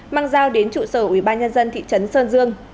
mang giao đến trụ sở ủy ban nhân dân thị trấn sơn dương